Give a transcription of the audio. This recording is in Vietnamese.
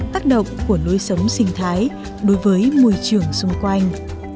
tác động của lối sống sinh thái đối với môi trường xung quanh